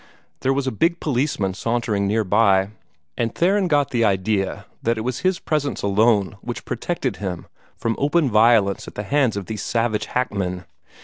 There was a big policeman sauntering near by, and Theron got the idea that it was his presence alone which protected him from open violence at the hands of these savage hackmen.